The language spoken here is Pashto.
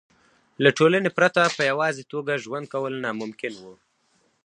له ټولنې پرته په یوازې توګه ژوند کول ناممکن وو.